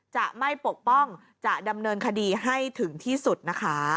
จะไม่ปกป้องจะดำเนินคดีให้ถึงที่สุดนะคะ